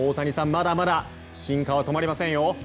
まだまだ進化は止まりませんよ。